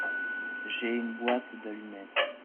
J'ai une boîte d'allumettes.